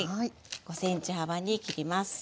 ５ｃｍ幅に切ります。